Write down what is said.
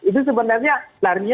itu sebenarnya latar belakangnya